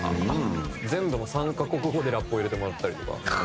全部３カ国語でラップを入れてもらったりとか。